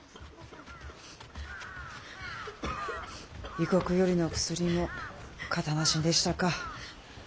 異国よりの薬もかたなしでしたか。